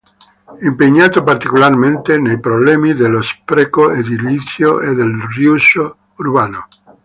Impegnato particolarmente nei problemi dello spreco edilizio e del "riuso urbano".